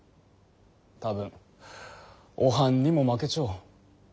多分おはんにも負けちょ。